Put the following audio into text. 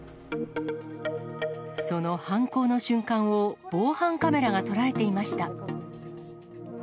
その犯行の瞬間を、防犯カメラが捉えていました。